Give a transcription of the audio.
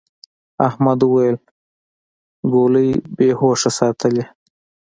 احمد وويل: گولۍ بې هوښه ساتلې.